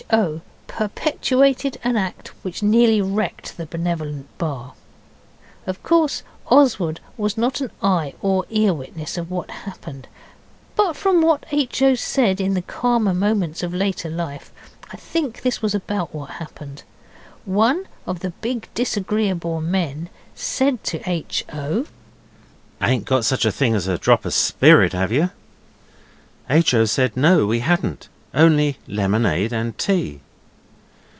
O. perpetuated an act which nearly wrecked the Benevolent Bar. Of course Oswald was not an eye or ear witness of what happened, but from what H. O. said in the calmer moments of later life, I think this was about what happened. One of the big disagreeable men said to H. O. 'Ain't got such a thing as a drop o' spirit, 'ave yer?' H. O. said no, we hadn't, only lemonade and tea.